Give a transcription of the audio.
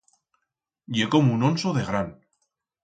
Ye como un onso de gran.